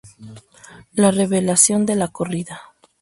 La revelación de la corrida.